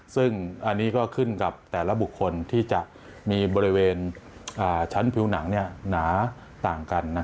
ซึ่งอันนี้ก็ขึ้นกับแต่ละบุคคลที่จะมีบริเวณชั้นผิวหนังหนาต่างกัน